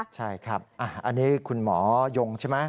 ใช่ครับอันนี้คุณหมอยงใช่ไหม